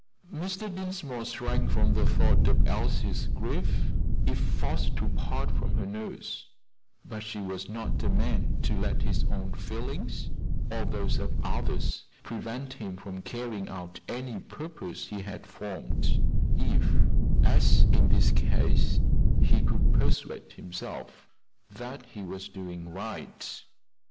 Mr. Dinsmore shrank from the thought of Elsie's grief, if forced to part from her nurse; but he was not a man to let his own feelings, or those of others, prevent him from carrying out any purpose he had formed, if, as in this case, he could persuade himself that he was doing right.